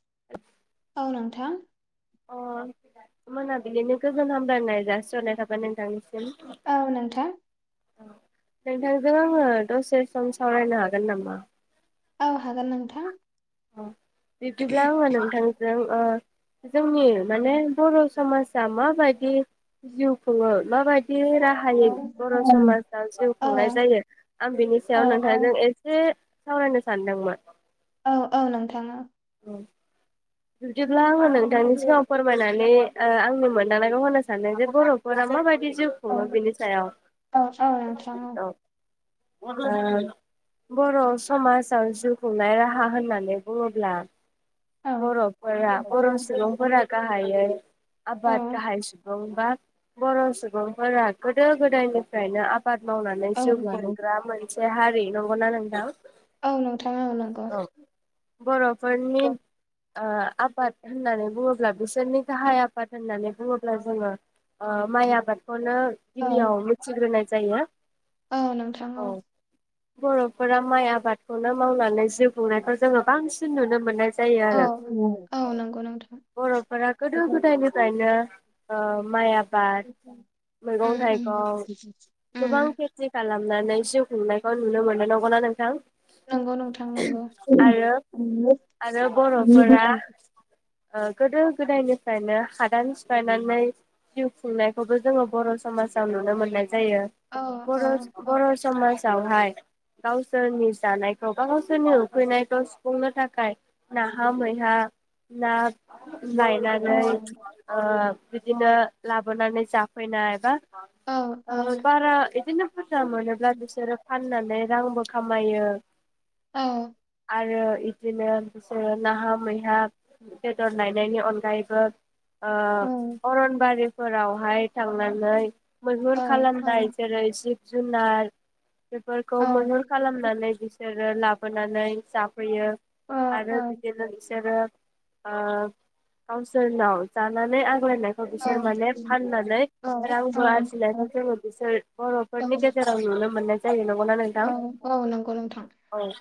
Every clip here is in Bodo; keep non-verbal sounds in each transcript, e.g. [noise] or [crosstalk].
[inaudible] औ नोंथां अ मोनाबिलिनो गोजोन हामबायनाय जासिनाय थाबाय नोंथांनि औ नोंथां औ नोंथांजों आङो दसे सम सावरायनो हागोन नामा औ हागोन नोंथां औ बिदिब्ला आङो नोंथांजों ओ जोंनि माने बर समाजा माबायदि जिउ खुङो माबाय जि राहायै औ बर' समाजाव जिउ औ खुंनाय जायो आं बिनि औ सायाव नोंथांजों एसे सावरायनो सानदोंमोन औ औ नोंथाङा औ बिदिब्ला आङो नों थांनि सिगाङाव फोरमायनानै ओ आंनि मोनदांनायखौ होनो सानदों जे बर'फोरा माबायदि जिउ खुङो बेनि सायाव औ औ नोंथां औ ओ बर' समाजाव जिउ खुंनाय राहा होननानै बुङोब्ला औ बर'फोरा बर' सुबुंफोरा गा हायै आबाद औ गाहाय सुबुं बाद बर' सुबुंफोरा गोदो गोदायनिफ्रायनो आ बाद मावनानै औ जिउ खुंग्रा मोन से हारि नंगौना नोंथां औ नोंथाङा औ नंगौ बर' फोरनि ओ आबाद होननानै बुङोब्ला बिसोरनि गाहाय आबाद होननानै बुङोब्ला जोङो ओ माइ आबाद खौनो औ गिबियाव मिथिग्रोनाय जायोमोन औ नोंथां औ बरफोरा माइ आबादखौनो मावनानै जिउ खुंनायखौ जोङो बांसिन नुनो मोननाय औ जायो औ नंगौ नोंथां बरफोरा गोदो गोदायनिफ्रायनो ओ माइ आब बाद मैगं उम उम थाइगं गोबां उम खेथि खालाम नानै जिउ खुंनायखौ नुनो मोनोना नंगौना नोंथां नंगौ नोंथां नंगौ आरो आरो बर'फोरा बेबोथ ओ गोदो गोदायनिफ्रायनो हादान सिफायनानै जिउ खुंनायखौबो जोङो बर समाजाव नुनो मोननाय जायो औ बर औ बर समाज गावहाय गावसोरनि जानायखौ गावसोरनि उखैनायखौ सुफुंनो थाखाय ना हा मैहा ना लायनानै औ ओ बिदिनो लाबोनानै जाफैनाय एबा ओ बारा बिदिनो बुरजा मोनोब्ला बिसोरो फान फाननानै रांबो खामायो औ आरो इदिनो बिसोरो नाहा मैहा बेदर नायनायनि अनगायैबो ओ औ अरनबारि फोरावहाय थांनानै मैहुर खालामनाय जेरै जिब जुनार बेफोरखौ मैहुर खालामनानै बिसोर आरो लाबोनानै जा फैयो आरो बिसोरो ओ गावसोरनाव जानानै आर फरायनायखौ बिसोर माने फाननानै रांबो आरजिनायखौ जोङो बिसोर बर'फोरनि गेजेराव नुनो मोननाय जायो नं औ औ नंगौ नोंथां औ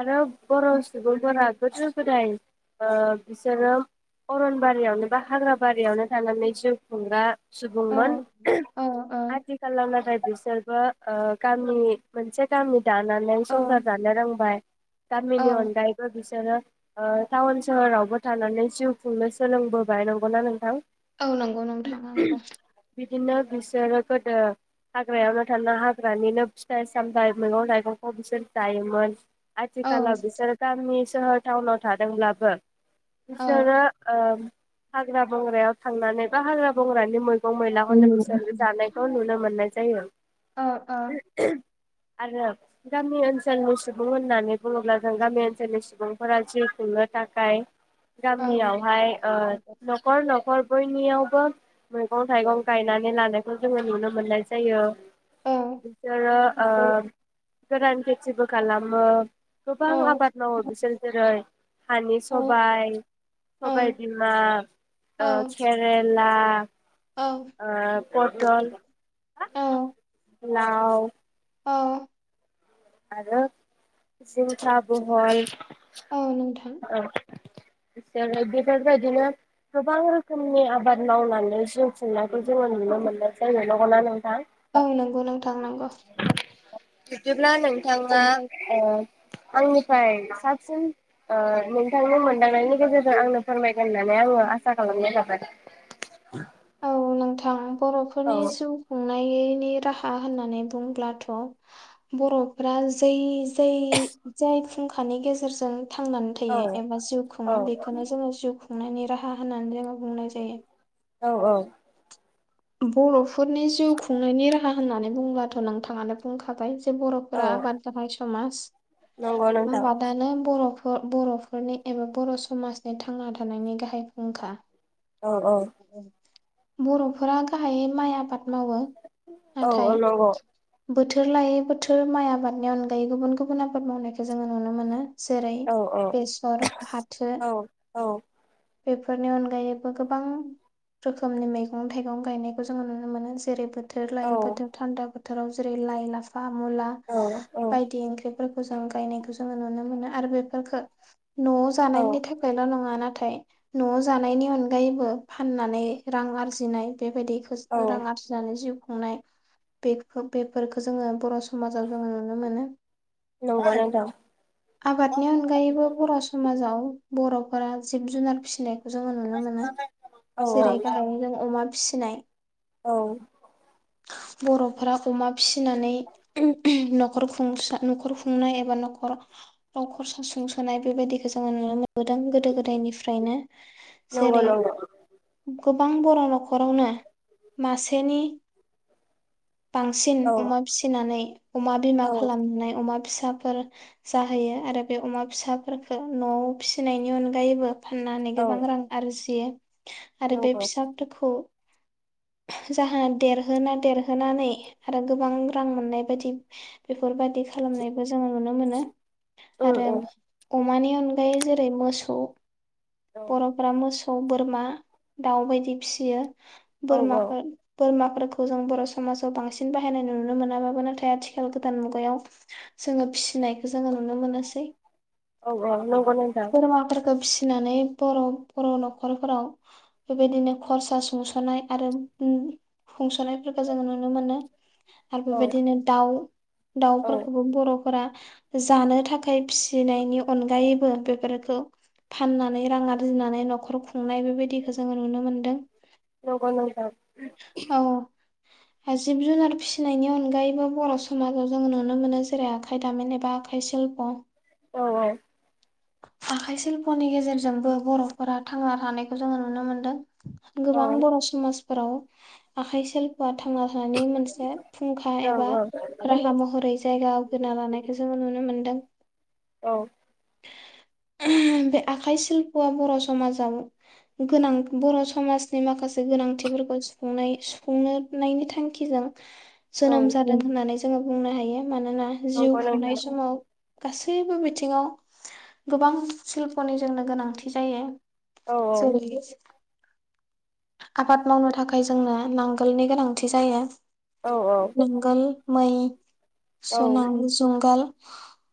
आरो बर' सुबुंफोरा गोदो गोदाय ओ बिसोरो अरनबारियावनो बा हाग्रा बारियावनो थानानै जिउ खुंग्रा औ सुबुंमोन औ औ आथिखालाव नाथाय बिसोरबो ओ गामि मोनसे गामि दानानै औ संसार जानो रोंबाय गामिनि औ अनगायैबो बिस बिसोरो ओ टाउन सोहोरावबो थानानै जिउ खुंनो सोलोंबोबाय नंगौना नोंथां? औ नंगौ नोंथां नंगौ। बिदिनो बिसोरो गोदो हाग्रायावनो थाना हाग्रानिनो फिथाइ सामथाइ मैगं थाइगंखौ बिसोर जायोमोन। औ आथिखालाव बिसोर गामि सोहोर टाउनाव थादोंब्लाबो औ बिसोरो ओ हाग्रा बंग्रायाव थांनानै बा हाग्रा बंग्रानि मैगं औ मैलाखौनो बिसोर जानायखौ नुनो मोननाय जायो। ओ ओ आरो गामि ओनसोलनि सुबुं होननानै बुङोब्ला जों गामि ओनसोलनि सु बुंफोरा जिउ खुंनो थाखाय औ गामियावहाय ओ न'खर न'खर बयनियावबो मैगं थाइगं गायनानै लानायखौ जोङो नुनो मोननाय जायो। औ बिसारो ओ गोरान खेथिबो खालामो। गोबां आबाद मावो। जों जेरै हानि सबाय, सबाय बिमा ओ खेरे ला ओ पटल औ लाव औ आरो जिंखा बहल औ नोंथां। ओ बिसोरो बेफोरबायदिनो गोबां रोखोमनि आबाद मावनानै जिउ खुंनायखौ जोङो नुनो मोननाय जायो नंगौ ना नों औ नंगौ नोंथां नंंगौ। बिदिब्ला नों थांङा ओ आंनिफ्राय साबसिन ओ नोंथांनि मोनदांनायनि गेजेरजों आंनो फोरमायगोन होननानै आङो आसा खालामनाय थाबाय। औ नोंथां। बर'फोरनि जिउखुं नाय नि राहा होननानै बुंब्लाथ बरफोरा जै जै जाय फुंखानि गेजेरजों थांनानै औ थायो एबा जिउ औ खुङो बेखौनो जोङो जिउ खुंनायनि राहा होननानै जोङो बुंनाय जायो। औ औ बर फो फोरनि जिउ खुंनायनि राहा होननानै बुंङोबाथ नोंथाङानो बुंखाबाय। बर औ फोरा आबाद गाहाइ समाज नंगौ नोंथां आबादानो बर ब बर फोरनि एबा बर समाजनि थांना थानायनि गाहाय फुंखा। औ औ बर फोरा गाहायै माइ आबाद मावो औ नाथाय औ नंगौ बोथोर लायै बोथोर माइ आबादनि अनगायै गुबुन गुबुन आबाद मावनायखौ जोङो नुनो मोनो। जेरै औ औ बेसर फाथो औ औ बेफोरनि अनगायैबो गोबां रोखोमनि मैगं थाइगं गायनायखौ जोङो नुनो मोनो जेरैबो थोर लायो बोथोर थान्दा बो थोराव जेरै लाइ लाफा बा मुला औ औ बायदि ओंख्रि फोरखौ जों गायनायखौ जोङो नुनो मोनो आरो बेफोरखो नआव औ जानायनि थाखायल नङा नाथाय न'आव जानायनि अनगायैबो फाननानै रां आरजिनाय औ बेबायदिखौ रां आरजिनानै जिउ खुंनाय बे बेफोरखौ जोङो बर समाजाव जोङो नुनो मोनो नंगौ नोंथां आबादनि अनगायैबो बर समाजाव बर फोरा जिब जुनार फिसिनाय जोङो नुनो मोनो औ जेरै औ गाहायै जों अमा फिसिनाय औ बर फोरा अमा फिसिनानै नखर खुंसा नखर खुंनाय एबा नखर नखर सासुं सोनाय बेबायदिखौ जोङो नुनो मोनो गोदान गोदो गोदायनिफ्रायनो नंगौ जेरै नंगौ गोबां बर नखरावनो मासेनि बांसिन औ अमा फिसिनानै अमा बिमा औ खालामनानै अमा फिसा साफोर जाहोयो आरो बे अमा फिसाफोरफोरखौ नआव फिसिनायनि अनगायैबो फाननानै औ गोबां रां आरजियो आरो बे नंगौ फिसाखौ जाहोना देरहोना देरहोनानै आरो गोबां रां मोननाय बायदि बेफोर बेफोरबायाददि खालामनाय जों नुनो मोन उम आरो उम अम बे अनगायै जेरै मोसौ औ बरफ्रा मोसौ सौ बोरमा दाउ बायदि फिसियो औ बोरमाफोर बोरमाफोर जों बर' समाव बांसिन बाहायनाय नुनो मोनाबो नाथाय आथिखाल गोदान मुगायाव जोङो फिसिनाय खो जोङो नुनो मोनसै औ नंगौ नोंथां बोरमा खो फिसिनानै बर' बर' न'खरफोराव बेबायदिनो खरसा सुंसनाय आरो उम खुंसनायफोरखौ जोंङो नुनो मोनो आरो औ बेबायदिनो दाउ औ दाउफोरखौबो बर फोरा जानो थाखाय फिनायनि अनगायैबो बेफोरखो फाननानै रां आरजिनानै नखर खुंनाय बे बेबायदिखो जोंङो नुनो मोनदों [unintelligible] हो जिब जुनार फिसिनायनि अनगायैबो बर समाजाव जोंङो नुनो मोनो जेरै आखाइ दामिन एबा आखाइ सिल्प औ औ आखाइ सिल्पनि गेजेरजोंबो बरफोरा थांना थानायखौ जोंङो नुनो मोनदों औ गोबां बर समाज फोराव आखाइ सिल्प थांना थानायनि मोनसे फुंखा एबा राहा महरै जायगा आवगन लानायखौ जोङो नुनो मोनो दों औ बे आखाइ सिल्पआ बर समाजाव गोनां बर समाजनि माखासे गो गोनांथिफोरखौ सुफुंनाय सुफुंनो नायनि थांखिजों औ जोनोम जादों होननानै जोंङो बुंनो हायो मानोना जिउ नंगौ नोंथां खुंनाय समाव गासैबो बिथिङाव गोबां सिल्पनि जोंनो गोनांथि जायो औ [unintelligible] आबाद मावनो थाखाय जोंनो नांगोलनि गोनांथि जायो औ जंगाल मै औ सुनां जुंगाल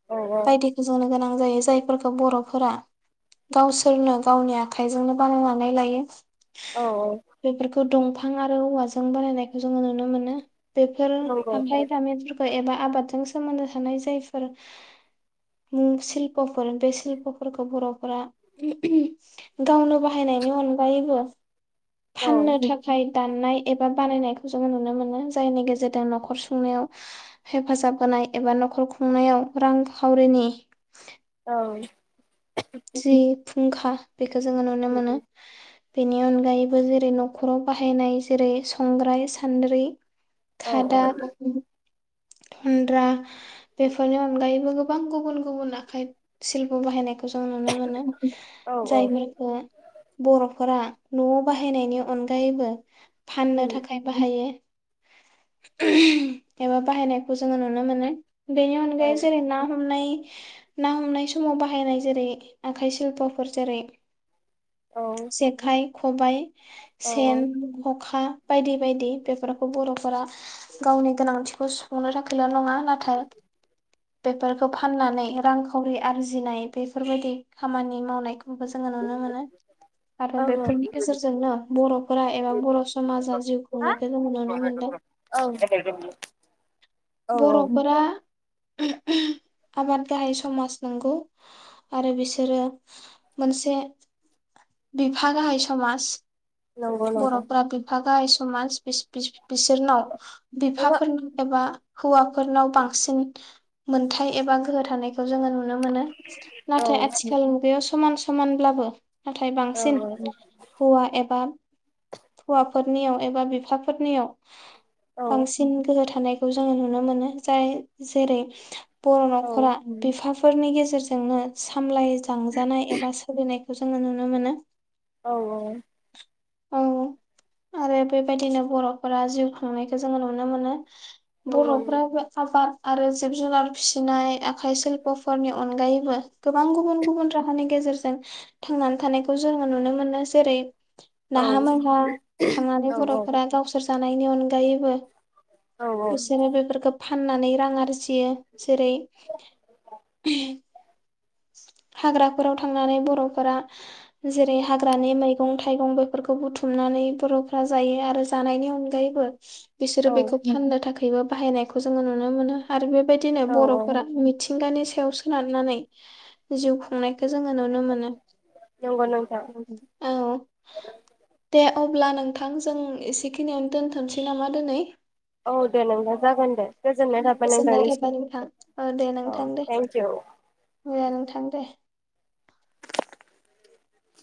औ बायदिखौ जोंनो गोनां जायो जायफोरखौ बरफोरा गावसोरनो गावनि आखाइजोंनो बानायनानै लायो। औ बेफोरखौ दं फां आरो औवाजों बानायायनायखौ जोंङो नुनो मोनो। दोखोल नंगौ औ खामफ्लाय दामफोर ओ एबा आबादजों सोमोन्दो थानाय जायफोर मुं सिल्पफोर बे सिल्पफोरखौ बरफोरा गावनो बाहायनायनि अनगायैबो औ फाननो थाखाय दाननाय एबा बानायनायखौ जोंङो नुनो मोनो जायनि गेजेरदों नखर सुंनायाव हेफाजाब होनाय एबा नखर खुंनायाव रांखावरिनि औ। जि फुंखा बेखौ जोङो नुनो मोनो। बेनि अनगायैबो जेरै न'खराव बाहायनाय जेरै संग्राय सान्द्रि औ खादा थन्द्रा बेफोरनि अनगायैबो गोबां गुबुन गुबुन आखाइ सिल्प' बाहायनायखौ जों नुनो मोनो। औ औ जायफोरखो बर'फोरा न'आव‌ बाहाय बाहायनायनि अनगायैबो फाननो थाखाय बाहायो। एबा बाहायनायखौ जोङो नुनो मोनो। बेनि अनगायै जेरै ना हमनाय ना हमनाय समाव बाहायनाय जेरै आखाइ सिल्प'फोर जेरै औ जेखाइ, खबाय, सेन, हखा बायदि बायदि बेफोरखौ बर'फोरा गावनि गोनांथिखौ सुफुंनो थाखायल' नङा नाथाय बेफोरखौ फाननानै रांखावरि आरजिनाय बेफोरबायदि खामानि मावनायखौ जोङो नुनो मोनो आरो बेफोरनि गेजेरजोंनो बर'फोरा एबा बर' समाजा जिउ हा खुंनायखौ जोङो नुनो मोनदों। औ औ बर'फोरा आबाद गाहाय समाज नोंगौ आरो बिसोरो मोनसे बिफा गाहाय समाज नंगौ नंगौ बर'फोरा बिफा गाहाय समास बिस बिस बिसोरनाव बिफाफोरनि एबा हौवाफोरनाव बांसिन मोनथाय एबा गोहो थानायखौ जोङो नु नो मोनो ओहो औ नाथाय औ आथिखालनि मुगायाव समान समानब्लाबो नाथाय औ बांसिन हौवा एबा हौवाफोरनियाव एबा बिफाफोरनियाव औ बांसिन गोहो थानाय जोङो नुनो मोनो जाय जेरै- बर' न'खरा बिफाफोरनि गेजेर जोंनो सामलाय लांजानाय एबा सोलिनाय खौ जोङो नुनो मोनो औ औ औ आरो बेबायदिनो बर'फोरा जिउ खुंनायखौ जोङो नुनो मोनो बर'फ्राबो आबाद आरो जिब जुनार फिसिनाय आखाइ शिल्प'फोरनि अनगायैबो गोबां गुबुन गुबुन राहानि गेजेरजों जों थांनानै थानायखौ जोङो नुनो मोनो जेरै- नाहा मैहा थांनानै बर'फोरा गावसोर जानायनि अनगायैबो औ बिसोरो बेफोरखौ फाननानै रां आरजियो जेरै- हाग्राफोराव थांनानै बर'फोरा जेरै हाग्रानि मैगं थाइगं बेफोरखौ बुथुमनानै बर'फोरा जायो आरो जानायनि अनगायैबो बिसोरो औ बेखौ फाननो थाखाय बो बाहायनायखौ जोङो नुनो मोनो आरो बे बायदिनो औ बर'फोरा मि थिंगानि सायाव सोनारनानै जिउ खांनायखौ जोङो नुनो मोनो नंगौ नोंथां औ दे अब्ला नोंथां जों एसेखिनियावनो दोनथ'नोसै नामा दिनै औ दे नोंबां जागोन दे गोजोननाय थाबाय गोजोननाय नोंथांनिस थाबाय नोंथां दे औ नोंथां थेंकिउ। दे नोंथां दे